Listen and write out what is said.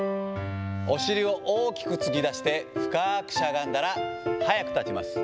お尻を大きく突き出して、深くしゃがんだら、早く立ちます。